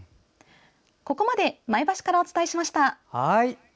ここまで前橋からお伝えしました。